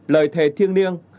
một lời thề thiêng niêng